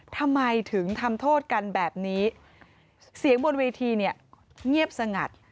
ทำไมถึงทำโทษกันแบบนี้เสียงบนเวทีเนี่ยเงียบสงัด